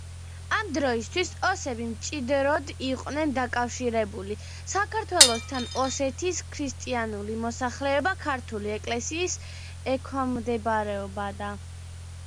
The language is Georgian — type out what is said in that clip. ამ დროისათვის ოსები მჭიდროდ იყვნენ დაკავშირებული საქართველოსთან, ოსეთის ქრისტიანული მოსახლეობა ქართულ ეკლესიას ექვემდებარებოდა.